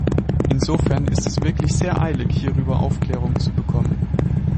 Insofern ist es wirklich sehr eilig, hierüber Aufklärung zu bekommen.